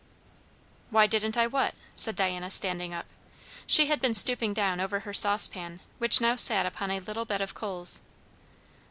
"Why didn't I what?" said Diana, standing up. She had been stooping down over her saucepan, which now sat upon a little bed of coals.